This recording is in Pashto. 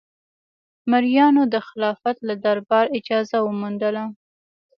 مریانو د خلافت له دربار اجازه وموندله.